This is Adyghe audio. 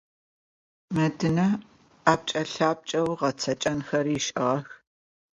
Medine epç'e - lhapç'eu ğetseç'enxer ış'ığex.